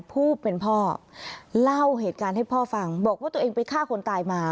ผู้เป็นพ่อเล่าเหตุการณ์ให้พ่อฟังบอกว่าตัวเองไปฆ่าคนตายมา